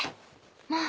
もう。